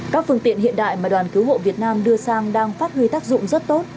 các phương tiện hiện đại mà đoàn cứu hộ việt nam đưa sang đang phát huy tác dụng rất tốt